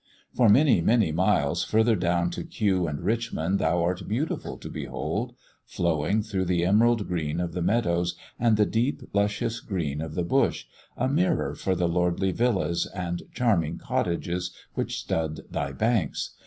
For many, many miles further down to Kew and Richmond thou art beautiful to behold, flowing through the emerald green of the meadows and the deep luscious green of the bush, a mirror for the lordly villas and charming cottages which stud thy banks.